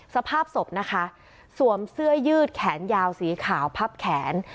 สภาพศพนะคะสวมเสื้อยืดแขนยาวสีขาวพับแขน